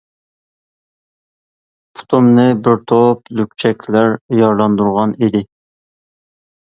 پۇتۇمنى بىر توپ لۈكچەكلەر يارىلاندۇرغان ئىدى.